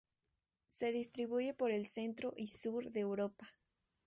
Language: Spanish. Se distribuye por el centro y sur de Europa.